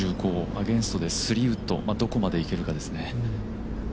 アゲンストでスリーウッド、どこまでいけるかですね。